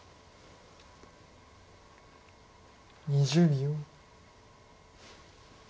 ２０秒。